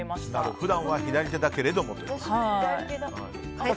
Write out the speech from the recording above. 普段は左手だけれどもと。